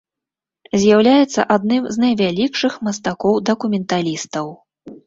З'яўляецца адным з найвялікшых мастакоў-дакументалістаў.